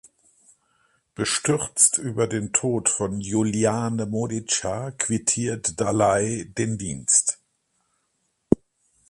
Bestürzt über den Tod von Juliane Modica quittiert Dalay den Dienst.